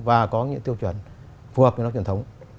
và có những tiêu chuẩn phù hợp với nó truyền thống